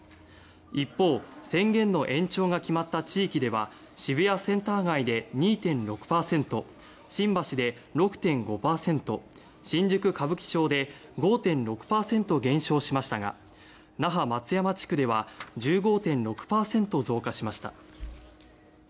一方、宣言の延長が決まった地域では渋谷センター街で２．６％新橋で６．５％新宿・歌舞伎町で５．６％減少しましたが那覇・松山地区では１５．６％増加しました。